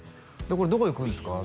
「これどこ行くんですか？」